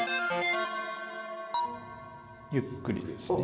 ゆっくりですね。